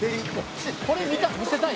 これ見せたい？